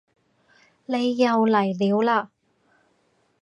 你又嚟料嘞